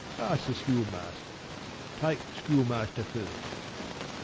Ask the schoolmaster. Take schoolmaster first.